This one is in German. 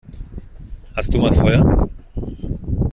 Hast du mal Feuer?